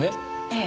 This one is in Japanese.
ええ。